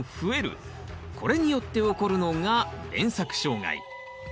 これによって起こるのが連作障害。